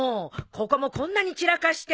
ここもこんなに散らかして。